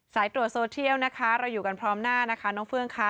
สายตรวจโซเทียลนะคะเราอยู่กันพร้อมหน้านะคะน้องเฟื่องค่ะ